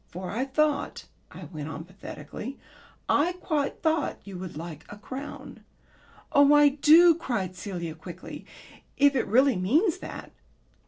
For I thought," I went on pathetically, "I quite thought you would like a crown." "Oh, I do," cried Celia quickly, "if it really means that."